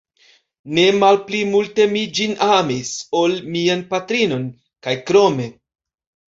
Ne malpli multe mi ĝin amis, ol mian patrinon, kaj krome.